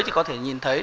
thì có thể nhìn thấy